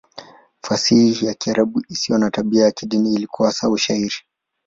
Fasihi ya Kiarabu isiyo na tabia ya kidini ilikuwa hasa Ushairi.